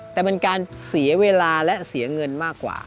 แต่มันการเสียเวลาและเสียเงินมากกว่า